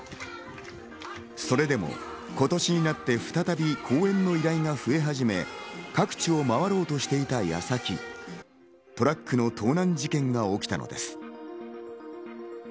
それでも今年になって再び公演の依頼が増え始め、各地を回ろうとしていた矢先、トラックの盗難事件が起きたのです。